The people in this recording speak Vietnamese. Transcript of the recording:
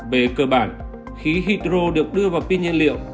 về cơ bản khí hydro được đưa vào pin nhiên liệu